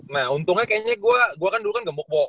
nah untungnya kayaknya gue kan dulu kan gemuk bo